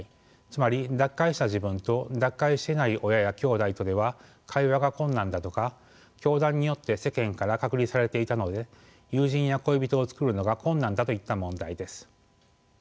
つまり脱会した自分と脱会していない親や兄弟とでは会話が困難だとか教団によって世間から隔離されていたので友人や恋人をつくるのが困難だといった問題です。